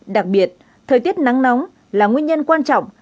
đặc biệt thời tiết nắng nóng là nguyên nhân quan trọng